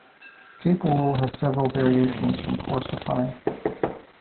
Cape Wool has several variations from coarse to fine.